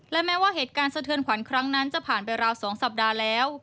และแม้ว่าเหตุการณ์สะเทือนขวัญครั้งนั้นจะผ่านไปราว๒สัปดาห์แล้ว